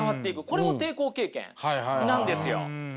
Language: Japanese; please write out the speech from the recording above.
これも抵抗経験なんですよ。